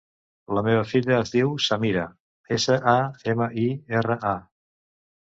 La meva filla es diu Samira: essa, a, ema, i, erra, a.